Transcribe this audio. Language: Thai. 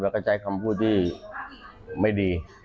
แล้วก็ใช้คำพูดที่ไม่ดี